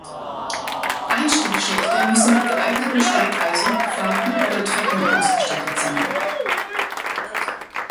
Einstiegschächte müssen mit geeigneten Steigeisen, Fahrten oder Treppen ausgestattet sein.